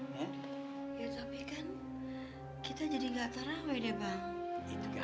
ya tapi kan kita jadi nggak terawih deh bang